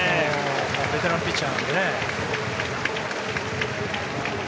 ベテランピッチャーなのでね。